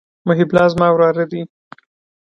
محب الله زما وراره دئ.